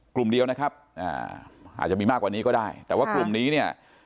กลุ่มเดียวนะครับอ่าอาจจะมีมากกว่านี้ก็ได้แต่ว่ากลุ่มนี้เนี่ย